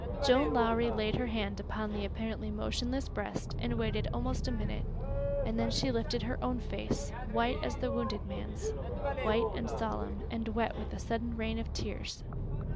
Joan Lowrie laid her hand upon the apparently motionless breast and waited almost a minute, and then she lifted her own face, white as the wounded man's white and solemn, and wet with a sudden rain of tears.